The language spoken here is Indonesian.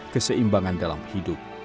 keseimbangan dalam hidup